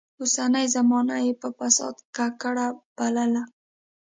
اوسنۍ زمانه يې په فساد ککړه بلله.